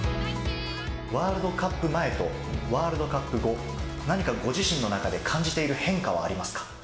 ワールドカップ前とワールドカップ後、何かご自身の中で感じている変化はありますか？